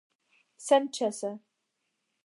senĉese